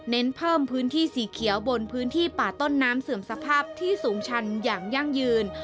เพิ่มพื้นที่สีเขียวบนพื้นที่ป่าต้นน้ำเสื่อมสภาพที่สูงชันอย่างยั่งยืน